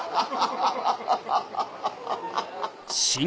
ハハハハハ。